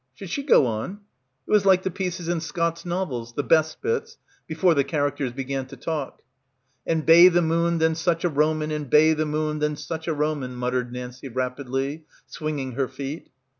Should she go on? It was like the pieces in Scott's novels, the best bits, before the characters began to talk. ... "and bay the moon than such a Roman and bay the moon than such a Roman," muttered Nancie rapidly, swinging her feet.